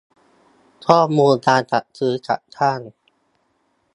ข้อมูลการจัดซื้อจัดจ้าง